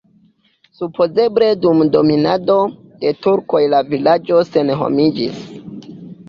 Supozeble dum dominado de turkoj la vilaĝo senhomiĝis.